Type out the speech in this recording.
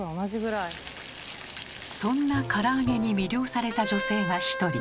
そんなから揚げに魅了された女性が一人。